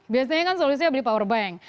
biasanya kan solusinya beli power bank